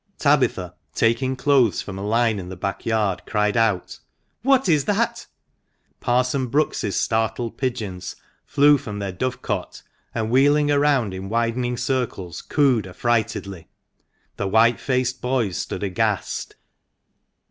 Tabitha, taking clothes from a line in the back yard, cried out, " What is that ?" Parson Brookes' startled pigeons flew from their dove cote, and wheeling round in widening circles, cooed affrightedly. The white faced boys stood aghast.